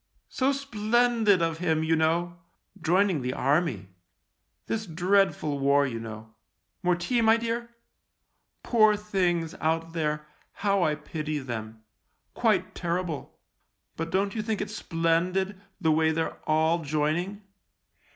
" So splendid of him, you know, join ing the Army. This dreadful war, you know. More tea, my dear. Poor things, out there — how I pity them. Quite terrible. But don't you think it's splendid, the way they're all joining